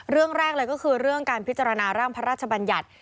เรื่องแรกเลยก็คือเรื่องการพิจารณาร่างพระราชบัญญัติ